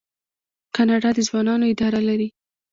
کاناډا د ځوانانو اداره لري.